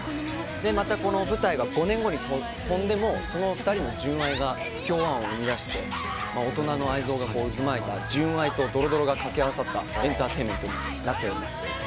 またこの舞台が変わってその２人の純愛が不協和音を生み出して大人の愛憎が渦巻いた純愛とドロドロが掛け合わさったエンターテインメントとなっています。